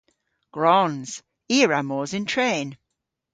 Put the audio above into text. Gwrons! I a wra mos yn tren.